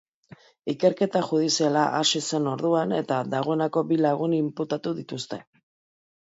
Ikerketa judiziala hasi zen orduan, eta dagoeneko bi lagun inputatu dituzte.